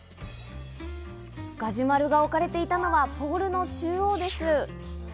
ガジュマルが置かれていたのはポールの中央です。